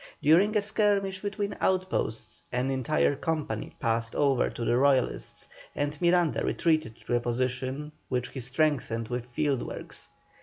During a skirmish between outposts an entire company passed over to the Royalists, and Miranda retreated to a position which he strengthened with field works.